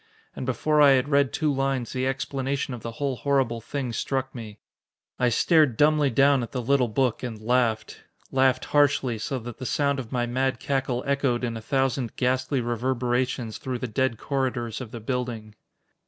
And before I had read two lines, the explanation of the whole horrible thing struck me. I stared dumbly down at the little book and laughed. Laughed harshly, so that the sound of my mad cackle echoed in a thousand ghastly reverberations through the dead corridors of the building.